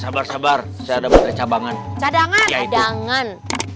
sabar sabar cada pc cheesec laying an